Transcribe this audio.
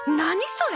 それ。